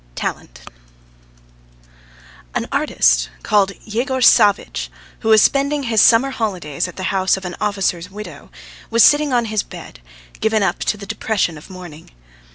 TALENT AN artist called Yegor Savvitch, who was spending his summer holidays at the house of an officer's widow, was sitting on his bed, given up to the depression of morning.